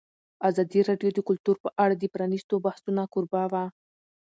ازادي راډیو د کلتور په اړه د پرانیستو بحثونو کوربه وه.